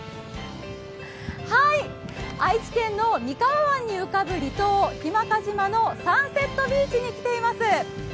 愛知県の三河湾の浮かぶ離島、日間賀島のサンセットビーチに来ています。